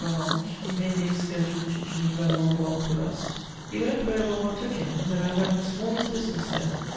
Ballanche: he made the excursion to Geneva and Mont Blanc with us. He went wherever one took him, without having the smallest business there.